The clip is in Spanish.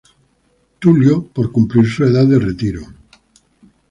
Tulio por cumplir su edad de retiro.